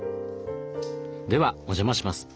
ではお邪魔します。